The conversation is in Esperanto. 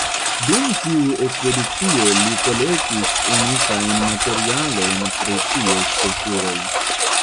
Dum tiu ekspedicio li kolektis unikajn materialojn pri ties kulturoj.